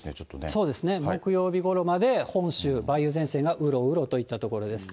そうですね、木曜日ごろまで本州、梅雨前線がうろうろといったところです。